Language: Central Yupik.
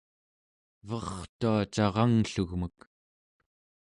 vertua carangllugmek